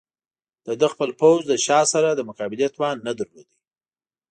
د ده خپل پوځ د شاه سره د مقابلې توان نه درلود.